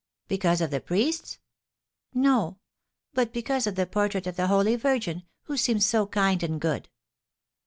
"Because of the priests?" "No; but because of the portrait of the holy Virgin, who seems so kind and good."